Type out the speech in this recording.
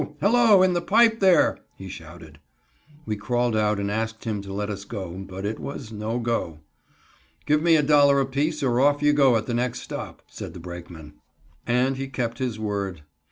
Hello! in the pipe there," he shouted. We crawled out and asked him to let us go, but it was "no go." "Give me a dollar apiece, or off you go at the next stop," said the brakeman, and he kept his word.